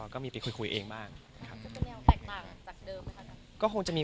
ก็พยายามคุยกับคนที่เป็นคนแต่งเพลงที่เราอยากได้เพลงแนวนี้